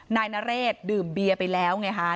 นายนเรศดื่มเบียร์ไปแล้วไงฮะ